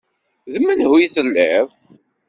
D menhu i telliḍ!